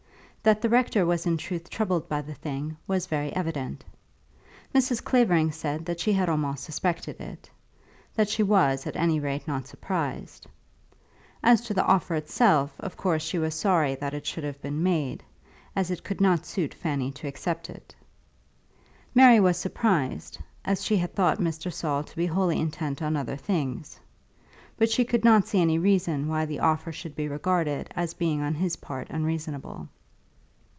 That the Rector was in truth troubled by the thing was very evident. Mrs. Clavering said that she had almost suspected it, that she was at any rate not surprised; as to the offer itself, of course she was sorry that it should have been made, as it could not suit Fanny to accept it. Mary was surprised, as she had thought Mr. Saul to be wholly intent on other things; but she could not see any reason why the offer should be regarded as being on his part unreasonable.